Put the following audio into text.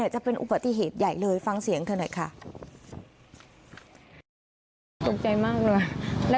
จะเป็นอุบัติเหตุใหญ่เลยฟังเสียงเธอหน่อยค่ะ